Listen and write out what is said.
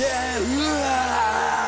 うわ！